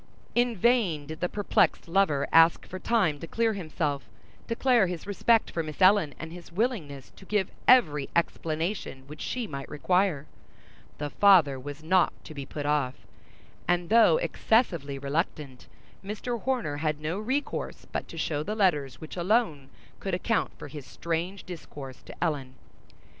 In vain did the perplexed lover ask for time to clear himself, declare his respect for Miss Ellen and his willingness to give every explanation which she might require; the father was not to be put off; and though excessively reluctant, Mr. Horner had no resource but to show the letters which alone could account for his strange discourse to Ellen.